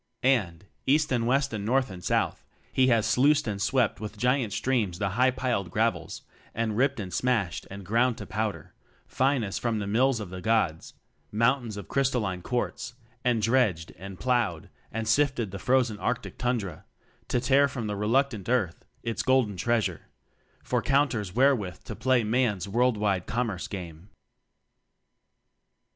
And, East and West and North and South he has sluiced and swept with giant streams the high piled gravels, and ript and smashed and ground to powder, fine as from the mills of the gods, mountains of crystalline quartz; and dredged, and plowed, and sifted the frozen Arctic tundra, to tear from reluctant Earth its golden treasure for counters wherewith to play Man's world wide commerce game.